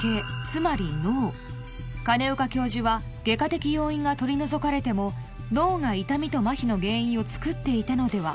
つまり脳金岡教授は外科的要因が取り除かれても脳が痛みと麻痺の原因をつくっていたのでは？